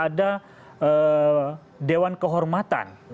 ada dewan kehormatan